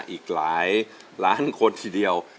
อีกหลายล้านคนทีเดียว